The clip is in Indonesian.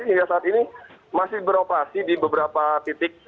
hingga saat ini masih beroperasi di beberapa titik